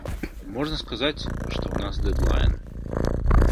Можна сказаць, што ў нас дэд-лайн.